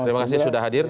terima kasih sudah hadir